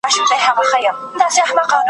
نو به ګورې چي نړۍ دي د شاهي تاج در پرسر کي !.